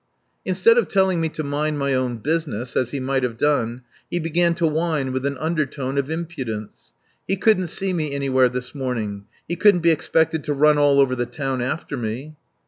Instead of telling me to mind my own business, as he might have done, he began to whine with an undertone of impudence. He couldn't see me anywhere this morning. He couldn't be expected to run all over the town after me.